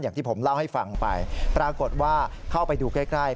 อย่างที่ผมเล่าให้ฟังไปปรากฏว่าเข้าไปดูใกล้ใกล้